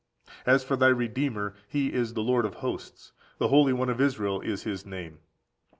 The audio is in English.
As for thy Redeemer, (He is) the Lord of hosts, the Holy One of Israel is his name.